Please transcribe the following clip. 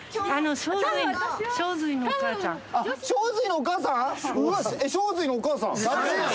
勝瑞のお母さん？